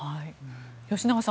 吉永さん